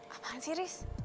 apaan sih riz